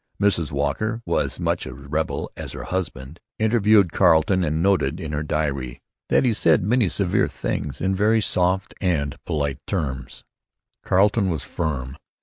Mrs Walker, as much a rebel as her husband, interviewed Carleton and noted in her diary that he 'said many severe Things in very soft & Polite Termes.' Carleton was firm.